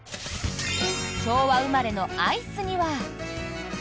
昭和生まれのアイスには。